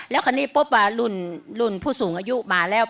แล้วคราวนี้พบว่ารุ่นผู้สูงอายุมาแล้ว